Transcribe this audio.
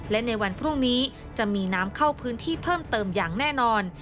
และในวันพรุ่งนี้จะมีน้ำเข้าพื้นที่เพิ่มเติมอย่างแน่นอน